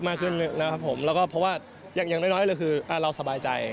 มากขึ้นนะครับผมแล้วก็เพราะว่าอย่างน้อยเลยคือเราสบายใจ